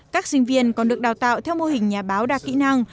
các sinh viên còn được đào tạo theo mô hình nhà báo đa kỹ năng